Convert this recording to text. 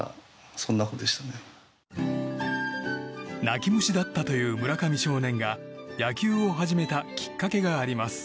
泣き虫だったという村上少年が野球を始めたきっかけがあります。